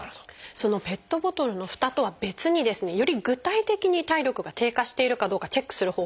そのペットボトルのふたとは別にですねより具体的に体力が低下しているかどうかチェックする方法があるんですよね。